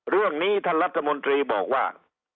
เรื่องนี้ท่านรัฐมนตรีบอกว่า